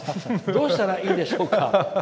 どうしたらいいでしょうか」。